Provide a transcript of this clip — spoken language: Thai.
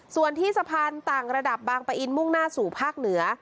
ส่วนที่สะพานต่างระดับบางปะอินมุ่งหน้าสู่ภาคเหนือ